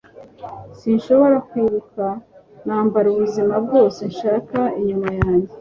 sinshobora kwibuka. nambara ubuzima bwose nshaka inyuma yanjye